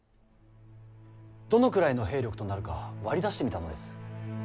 どのくらいの兵力となるか割り出してみたのです。